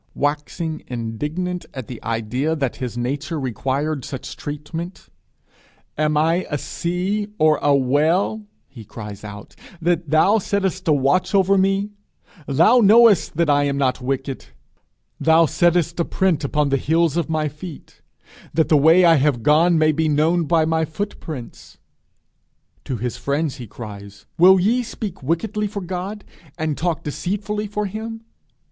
Waxing indignant at the idea that his nature required such treatment 'Am I a sea or a whale,' he cries out, 'that thou settest a watch over me?' Thou knowest that I am not wicked. 'Thou settest a print upon the heels of my feet!' that the way I have gone may be known by my footprints! To his friends he cries: 'Will ye speak wickedly for God? and talk deceitfully for him?'